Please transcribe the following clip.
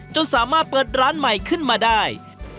จนสามารถเปิดร้านใหม่ขึ้นมาได้